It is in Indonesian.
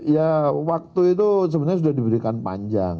ya waktu itu sebenarnya sudah diberikan panjang